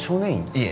いえ